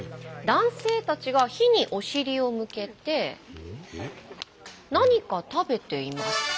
男性たちが火にお尻を向けて何か食べています。